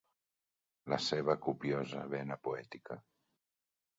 La seva copiosa vena poètica.